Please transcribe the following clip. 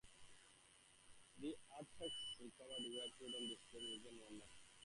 The artefacts recovered were put on display in the Museum of London.